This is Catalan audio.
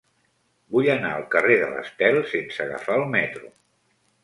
Vull anar al carrer de l'Estel sense agafar el metro.